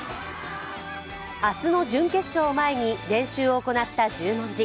明日の準決勝を前に練習を行った十文字。